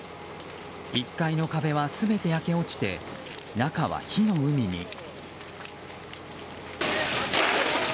１階の壁は全て焼け落ちて中は火の海に。